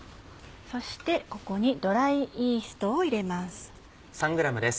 そしてここにドライイーストを入れます。